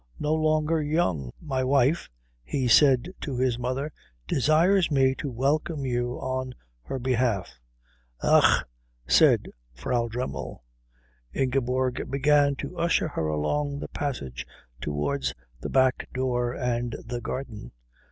No longer young. My wife," he said to his mother, "desires me to welcome you on her behalf." "Ach," said Frau Dremmel. Ingeborg began to usher her along the passage towards the back door and the garden.